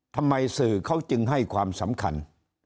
ทำไมสื่อเขาจึงให้ความสำคัญ